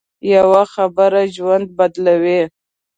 یوه خبره ژوند بدلوي